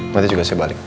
nanti juga saya balik